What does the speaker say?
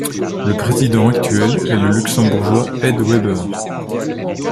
Le président actuel est le Luxembourgeois Ed Weber.